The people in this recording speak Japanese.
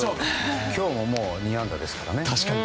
今日もう２安打ですからね。